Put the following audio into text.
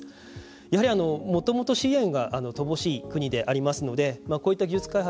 やはりもともと資源が乏しい国でありますのでこういった技術開発